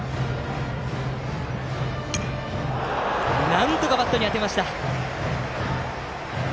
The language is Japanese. なんとかバットに当てました。